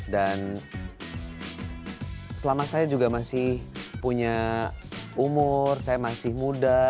dan selama saya juga masih punya umur saya masih muda